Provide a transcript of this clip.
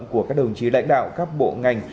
của các đồng chí lãnh đạo các bộ ngành